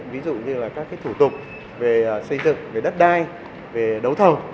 ví dụ như là các thủ tục về xây dựng về đất đai về đấu thầu